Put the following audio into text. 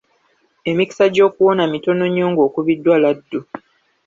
Emikisa gy'okuwona mitono nnyo ng'okubiddwa laddu.